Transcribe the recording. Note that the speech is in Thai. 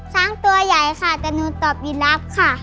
ช้างตัวใหญ่ค่ะแต่หนูตอบอีรักค่ะ